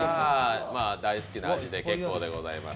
大好きな味で結構でございます。